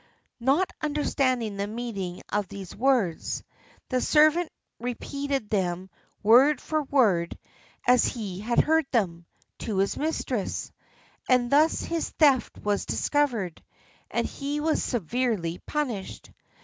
Not understanding the meaning of these words, the servant repeated them word for word, as he had heard them, to his mistress; and thus his theft was discovered, and he was severely punished.